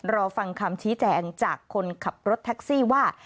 รอฟังคำชี้แจงจากคนขับรถแท็กซี่ว่า